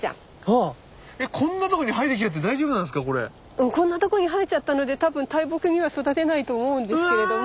うんこんなとこに生えちゃったので多分大木には育てないと思うんですけれども。